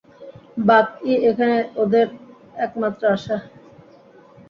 বাকই এখানে ওদের একমাত্র আশা।